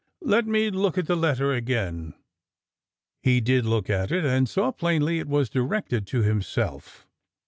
"Let me look at the letter again." He did look at it, and saw plainly it was directed to himself.